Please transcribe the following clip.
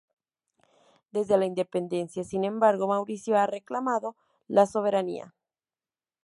Desde la independencia, sin embargo, Mauricio ha reclamado la soberanía.